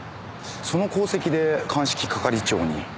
その功績で鑑識係長に。